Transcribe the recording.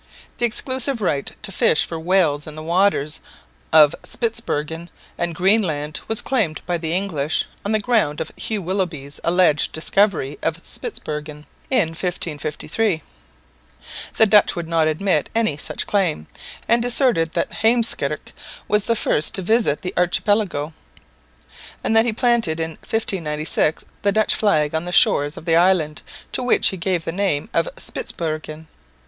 The exclusive right to fish for whales in the waters of Spitsbergen and Greenland was claimed by the English on the ground of Hugh Willoughby's alleged discovery of Spitsbergen in 1553. The Dutch would not admit any such claim, and asserted that Heemskerk was the first to visit the archipelago, and that he planted in 1596 the Dutch flag on the shores of the island, to which he gave the name of Spitsbergen.